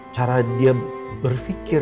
cara dia berpikir